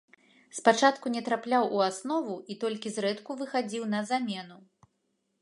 Спачатку не трапляў у аснову і толькі зрэдку выхадзіў на замену.